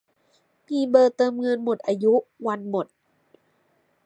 มีเบอร์เติมเงินหมดอายุ วันหมด